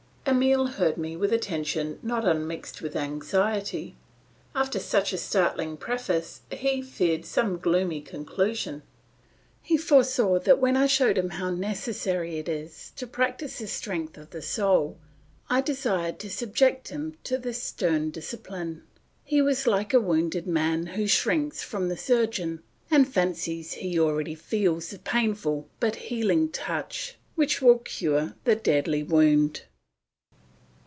Emile heard me with attention not unmixed with anxiety. After such a startling preface he feared some gloomy conclusion. He foresaw that when I showed him how necessary it is to practise the strength of the soul, I desired to subject him to this stern discipline; he was like a wounded man who shrinks from the surgeon, and fancies he already feels the painful but healing touch which will cure the deadly wound.